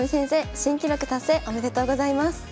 新記録達成おめでとうございます。